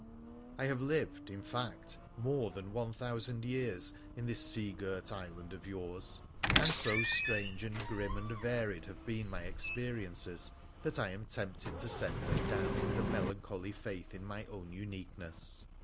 I have lived, in fact, more than one thousand years in this seagirt island of yours ; and so strange and grim and varied have been my experiences that I am tempted to set them down with a melancholy faith in my own uniqueness.